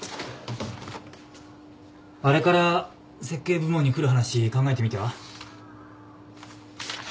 あれから設計部門に来る話考えてみた？